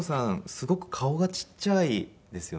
すごく顔がちっちゃいですよね。